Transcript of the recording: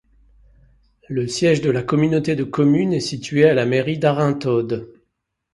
Le siège de la communauté de communes est situé à la mairie d'Arinthod.